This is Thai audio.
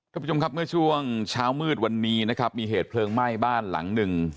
ท่านผู้ชมครับเมื่อช่วงเช้ามืดวันนี้นะครับมีเหตุเพลิงไหม้บ้านหลังหนึ่ง